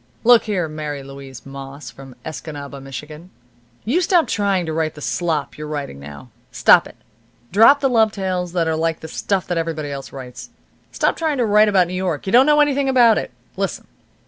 "Look here, Mary Louise Moss, from Escanaba, Michigan, you stop trying to write the slop you're writing now. Stop it. Drop the love tales that are like the stuff that everybody else writes. Stop trying to write about New York. You don't know anything about it. Listen.